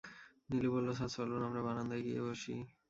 নীলু বলল, স্যার চলুন, আমরা বারান্দায় গিয়ে বসি।